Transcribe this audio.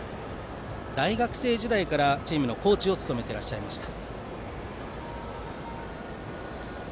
大学生時代からチームのコーチを務めていらっしゃいました。